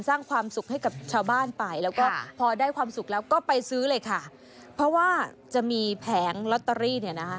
สร้างความสุขให้กับชาวบ้านไปแล้วก็พอได้ความสุขแล้วก็ไปซื้อเลยค่ะเพราะว่าจะมีแผงลอตเตอรี่เนี่ยนะคะ